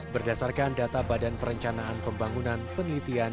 berdasarkan data badan perencanaan pembangunan penelitian